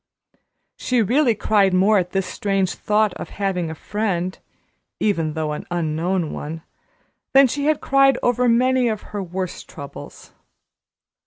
She really cried more at this strange thought of having a friend even though an unknown one than she had cried over many of her worst troubles.